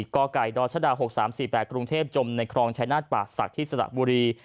๔กดช๖๓๔๘กรุงเทพฯจมในครองใช้หน้าปากศักดิ์ที่สตบุรี